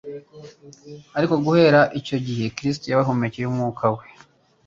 Ariko guhera icyo gihe, Kristo yabahumekcyeho Umwuka we